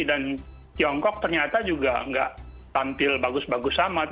dan tiongkok ternyata juga gak tampil bagus bagus amat